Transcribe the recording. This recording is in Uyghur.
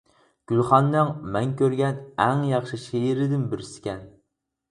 گۈلخاننىڭ مەن كۆرگەن ئەڭ ياخشى شېئىرىدىن بىرسىكەن.